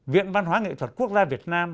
viện văn hóa nghệ thuật quốc gia việt nam